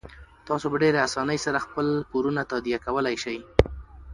تاسو په ډیرې اسانۍ سره خپل پورونه تادیه کولی شئ.